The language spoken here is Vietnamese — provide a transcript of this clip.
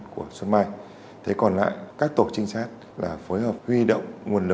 cảm ơn các bạn đã theo dõi